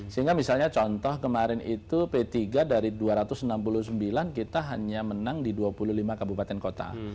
sehingga misalnya contoh kemarin itu p tiga dari dua ratus enam puluh sembilan kita hanya menang di dua puluh lima kabupaten kota